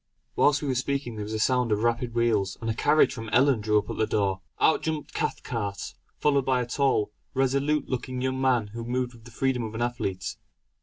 Whilst we were speaking there was a sound of rapid wheels, and a carriage from Ellon drew up at the door. Out jumped Cathcart, followed by a tall, resolute looking young man who moved with the freedom of an athlete.